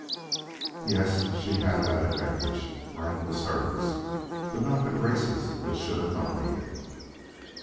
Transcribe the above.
Yes, she had that advantage; rank was hers, but not the graces which should accompany it.